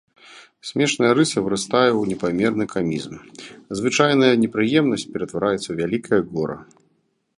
Смешная рыса вырастае ў непамерны камізм, звычайная непрыемнасць ператвараецца ў вялікае гора.